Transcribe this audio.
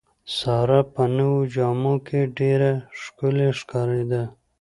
ساره په نوو جامو کې ډېره ښکلې ښکارېده.